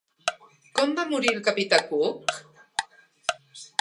Com va morir el capità Cook?